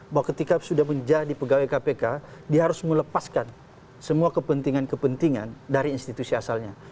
bahwa ketika sudah menjadi pegawai kpk dia harus melepaskan semua kepentingan kepentingan dari institusi asalnya